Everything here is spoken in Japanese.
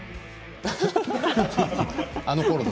あのころの。